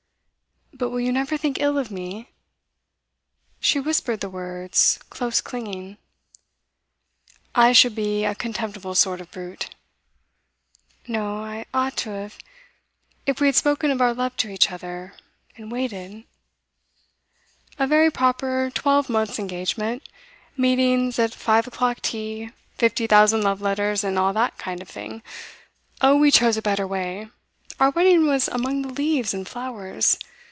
'But will you never think ill of me?' She whispered the words, close clinging. 'I should be a contemptible sort of brute.' 'No. I ought to have . If we had spoken of our love to each other, and waited.' 'A very proper twelvemonth's engagement, meetings at five o'clock tea, fifty thousand love letters, and all that kind of thing. Oh, we chose a better way. Our wedding was among the leaves and flowers.